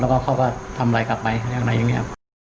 แล้วก็ทำร้ายกลับไปอย่างนั้นอย่างนี้ครับ